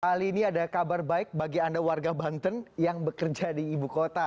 ali ini ada kabar baik bagi anda warga banten yang bekerja di ibu kota